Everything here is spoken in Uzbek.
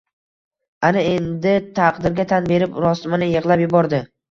Ana endi taqdirga tan berib rostmana yig‘lab yubordi.